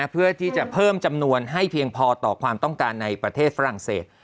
เพื่อที่จะเพิ่มจำนวนให้เพียงพอต่อความต้องการในประเทศฝรั่งเศส